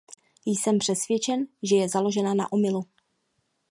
Jsem přesvědčen, že je založena na omylu.